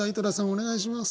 お願いします。